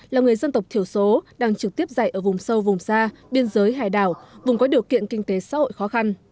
là người dân tộc thiểu số đang trực tiếp dạy ở vùng sâu vùng xa biên giới hải đảo vùng có điều kiện kinh tế xã hội khó khăn